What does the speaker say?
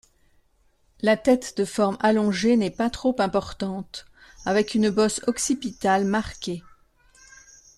La tête de forme allongée n'est pas trop importante, avec une bosse occipitale marquée.